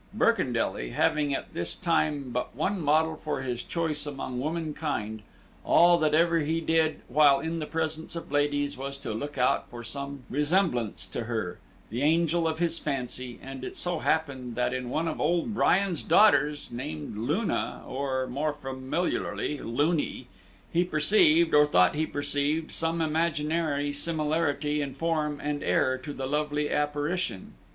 Birkendelly having at this time but one model for his choice among womankind, all that ever he did while in the presence of ladies was to look out for some resemblance to her, the angel of his fancy; and it so happened that in one of old Bryan's daughters named Luna, or, more familiarly, Loony, he perceived, or thought he perceived, some imaginary similarity in form and air to the lovely apparition.